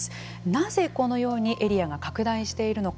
なぜこのようにエリアが拡大しているのか。